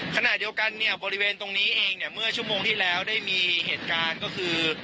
ขณะเดียวกันเนี่ยบริเวณตรงนี้เองเนี่ยเมื่อชั่วโมงที่แล้วได้มีเหตุการณ์ก็คือ